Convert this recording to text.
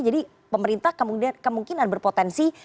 jadi pemerintah kemungkinan berpotensi